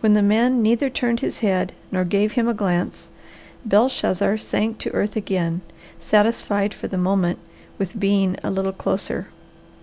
When the man neither turned his head nor gave him a glance, Belshazzar sank to earth again, satisfied for the moment with being a little closer.